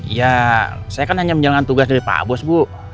ya saya kan hanya menjalankan tugas dari pak bos bu